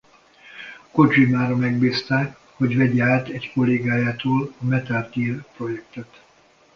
Kodzsimára megbízták hogy vegye át egy kollégájától a Metal Gear projektet.